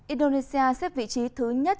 indonesia xếp vị trí thứ nhất